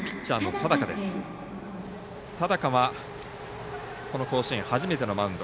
田高は、この甲子園初めてのマウンド。